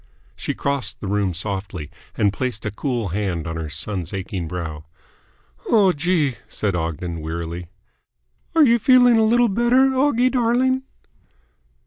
She crossed the room softly, and placed a cool hand on her son's aching brow. "Oh, Gee," said Ogden wearily. "Are you feeling a little better, Oggie darling?"